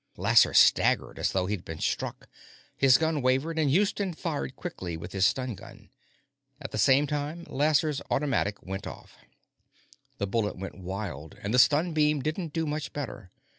Lasser staggered as though he'd been struck. His gun wavered, and Houston fired quickly with his stun gun. At the same time, Lasser's automatic went off. The bullet went wild, and the stun beam didn't do much better.